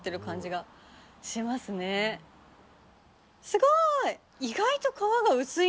すごい！